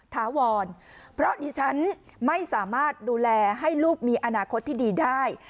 ถาวรเพราะดิฉันไม่สามารถดูแลให้ลูกมีอนาคตที่ดีได้